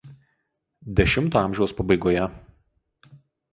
X a. pab.